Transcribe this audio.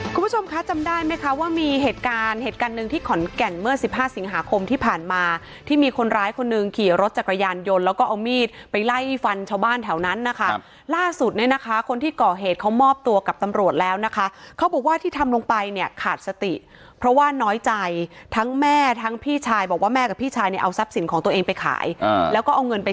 คุณผู้ชมคะจำได้ไหมคะว่ามีเหตุการณ์เหตุการณ์หนึ่งที่ขอนแก่นเมื่อสิบห้าสิงหาคมที่ผ่านมาที่มีคนร้ายคนหนึ่งขี่รถจักรยานยนต์แล้วก็เอามีดไปไล่ฟันชาวบ้านแถวนั้นนะคะล่าสุดเนี่ยนะคะคนที่ก่อเหตุเขามอบตัวกับตำรวจแล้วนะคะเขาบอกว่าที่ทำลงไปเนี่ยขาดสติเพราะว่าน้อยใจทั้งแม่ทั้งพี่ชายบอกว่าแม่กับพี่ชายเนี่ยเอาทรัพย์สินของตัวเองไปขายแล้วก็เอาเงินไป